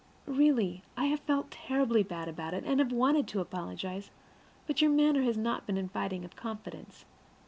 Really, I have felt terribly bad about it, and have wanted to apologize, but your manner has not been inviting of confidence.